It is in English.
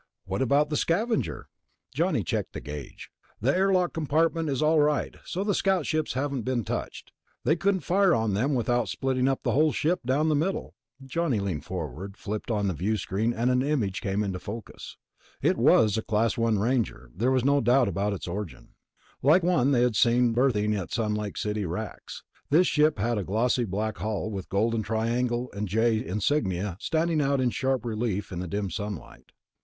"What about the Scavenger?" Johnny checked a gauge. "The airlock compartment is all right, so the scout ships haven't been touched. They couldn't fire on them without splitting the whole ship down the middle." Johnny leaned forward, flipped on the viewscreen, and an image came into focus. It was a Class I Ranger, and there was no doubt of its origin. Like the one they had seen berthing at the Sun Lake City racks, this ship had a glossy black hull, with the golden triangle and J insignia standing out in sharp relief in the dim sunlight.